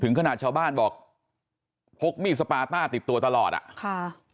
ขนาดชาวบ้านบอกพกมีดสปาต้าติดตัวตลอดอ่ะค่ะ